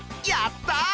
やった！